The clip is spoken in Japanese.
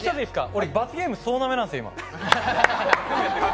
俺、罰ゲーム総なめなんですよ。